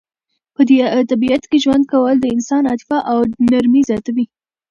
په طبیعت کې ژوند کول د انسان عاطفه او نرمي زیاتوي.